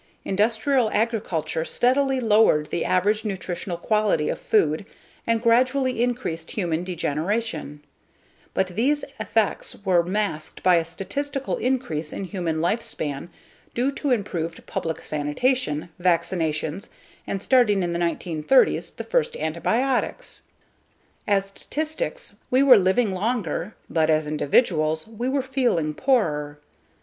Industrial agriculture steadily lowered the average nutritional quality of food and gradually increased human degeneration, but these effects were masked by a statistical increase in human life span due to improved public sanitation, vaccinations, and, starting in the 1930s, the first antibiotics. As statistics, we were living longer but as individuals, we were feeling poorer.